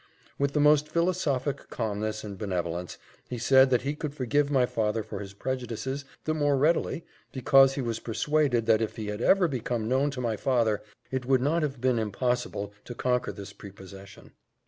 With the most philosophic calmness and benevolence, he said that he could forgive my father for his prejudices the more readily, because he was persuaded that if he had ever become known to my father, it would not have been impossible to conquer this prepossession.